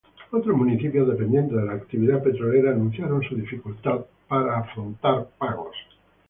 Otros municipios dependientes de la actividad petrolera anunciaron su dificultad para afrontar pagos.